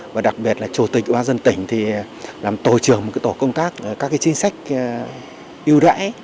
và đặc biệt là chủ tịch bác dân tỉnh làm tổ trường một tổ công tác các chính sách ưu đãi